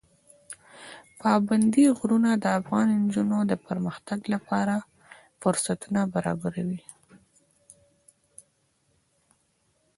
پابندی غرونه د افغان نجونو د پرمختګ لپاره فرصتونه برابروي.